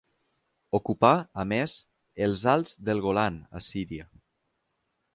Ocupà, a més, els Alts del Golan a Síria.